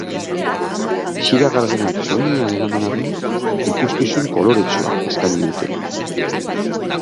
Zira gardenak soinean eraman arren, ikuskizun koloretsua eskaini dute.